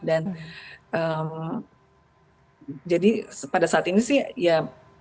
dan jadi pada saat ini sih ya